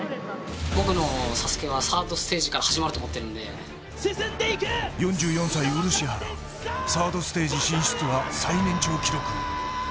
僕のＳＡＳＵＫＥはサードステージから４４歳漆原、サードステージ進出は最年長記録。